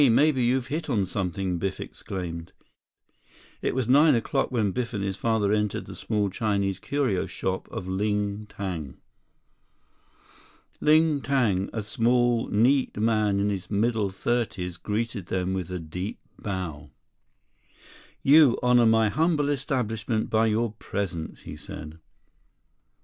Maybe you've hit on something!" Biff exclaimed. It was nine o'clock when Biff and his father entered the small Chinese curio shop of Ling Tang. Ling Tang, a small, neat man in his middle thirties, greeted them with a deep bow. "You honor my humble establishment by your presence," he said.